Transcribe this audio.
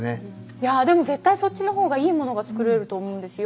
いやぁでも絶対そっちの方がいいものが作れると思うんですよ。